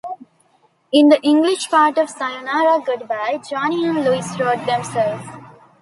In the English part of sayonara goodbye, Joni and Louis wrote themselves.